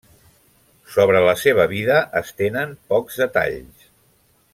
Sobre la seva vida es tenen pocs detalls.